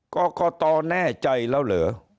กรกตแน่ใจแล้วเหรอ